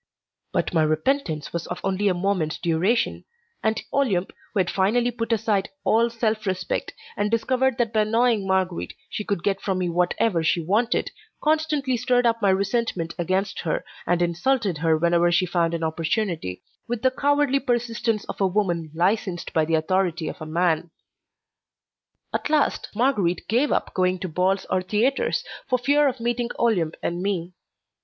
But my repentance was only of a moment's duration, and Olympe, who had finally put aside all self respect, and discovered that by annoying Marguerite she could get from me whatever she wanted, constantly stirred up my resentment against her, and insulted her whenever she found an opportunity, with the cowardly persistence of a woman licensed by the authority of a man. At last Marguerite gave up going to balls or theatres, for fear of meeting Olympe and me.